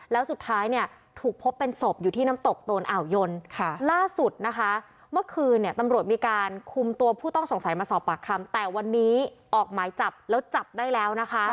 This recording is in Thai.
แล้วสุดท้ายเนี่ยถูกพบเป็นศพอยู่ที่น้ำตกโตนอ่าวยนล่าสุดนะคะเมื่อคืนเนี่ยตำรวจมีการคุมตัวผู้ต้องสงสัยมาสอบปากคำแต่วันนี้ออกหมายจับแล้วจับได้แล้วนะคะ